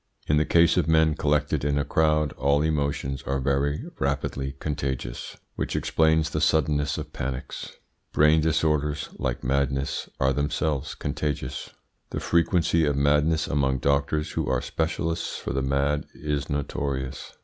In the case of men collected in a crowd all emotions are very rapidly contagious, which explains the suddenness of panics. Brain disorders, like madness, are themselves contagious. The frequency of madness among doctors who are specialists for the mad is notorious.